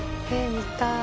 見たい」